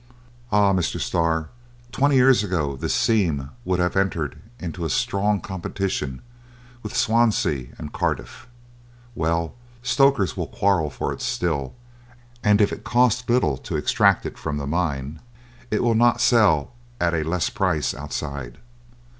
Ah, Mr. Starr! twenty years ago this seam would have entered into a strong competition with Swansea and Cardiff! Well, stokers will quarrel for it still, and if it costs little to extract it from the mine, it will not sell at a less price outside."